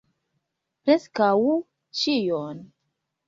Preskaŭ ĉion.